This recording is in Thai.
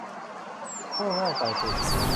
โง่เง่าเต่าตุ่น